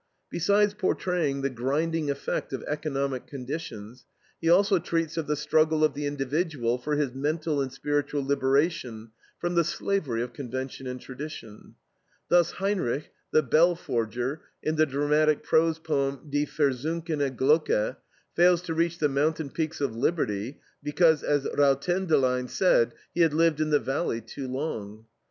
Besides portraying the grinding effect of economic conditions, he also treats of the struggle of the individual for his mental and spiritual liberation from the slavery of convention and tradition. Thus Heinrich, the bell forger, in the dramatic prose poem, DIE VERSUNKENE GLOCKE, fails to reach the mountain peaks of liberty because, as Rautendelein said, he had lived in the valley too long.